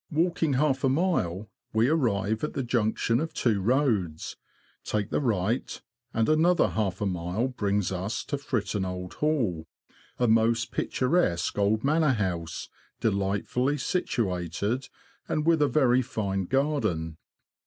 Walking half a mile, we arrive at the junction of two roads ; take the right, and another half mile brings us to Fritton Old Hall, a most picturesque old manor house, delightfully situated, and with a very fine garden.